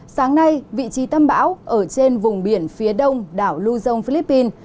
sáng nay vị trí tâm bão ở trên vùng biển phía đông đảo luzon philippines